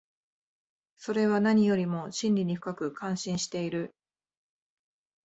それは何よりも真理に深く関心している。